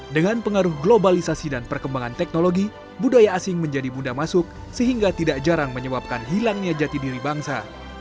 dengan pengaruh globalisasi dan perkembangan teknologi budaya asing menjadi bunda masuk sehingga tidak jarang menyebabkan hilangnya jati diri bangsa